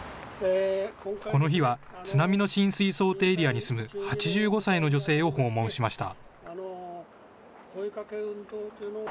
この日は津波の浸水想定エリアに住む８５歳の女性を訪問しました。